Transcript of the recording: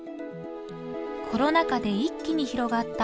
コロナ禍で一気に広がった